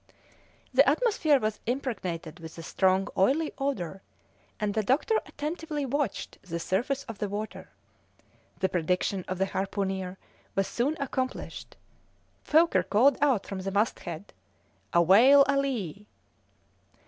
The atmosphere was impregnated with a strong oily odour, and the doctor attentively watched the surface of the water. The prediction of the harpooner was soon accomplished. Foker called out from the masthead "A whale alee!"